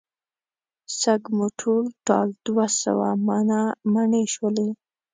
سږ مو ټول ټال دوه سوه منه مڼې شولې.